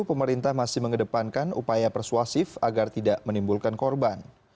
pemerintah masih mengedepankan upaya persuasif agar tidak menimbulkan korban